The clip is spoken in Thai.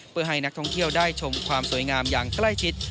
เพื่อให้นักท่องเที่ยวได้ชมความสวยงามอย่างใกล้ชิด